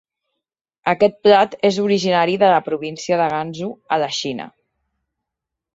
Aquest plat és originari de la província de Gansu a la Xina.